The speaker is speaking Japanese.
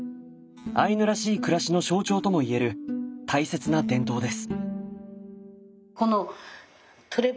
アイヌらしい暮らしの象徴ともいえる大切な伝統です。